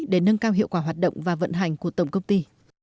để nâng cao hiệu quả hoạt động và vận hành của tổng công ty